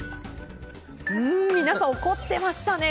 皆さん、怒ってましたね。